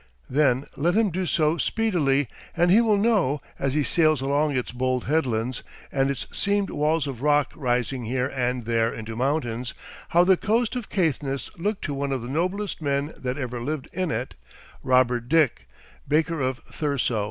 Then let him do so speedily, and he will know, as he sails along its bold headlands, and its seamed walls of rock rising here and there into mountains, how the coast of Caithness looked to one of the noblest men that ever lived in it, Robert Dick, baker of Thurso.